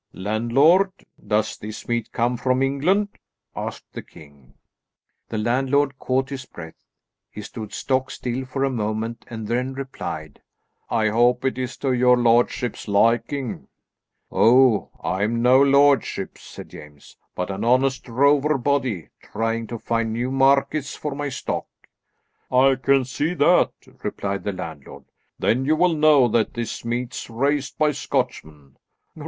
"Landlord, does this meat come from England?" asked the king. The landlord caught his breath. He stood stock still for a moment and then replied, "I hope it is to your lordship's liking." "Oh! I'm no lordship," said James, "but an honest drover body, trying to find new markets for my stock." "I can see that," replied the landlord; "then you will know that this meat's raised by Scotchmen."